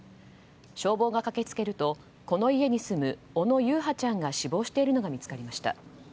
消防が駆けつけるとこの家に住む小野優陽ちゃんが死亡しているのが見つかりました。